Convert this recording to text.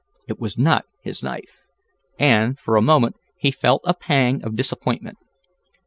It was not his knife, and, for a moment he felt a pang of disappointment.